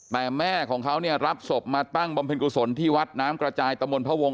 แต่แม่ของเขาเนี่ยรับศพมาตั้งบำเพ็ญกุศลที่วัดน้ำกระจายตะมนต์พระวงศ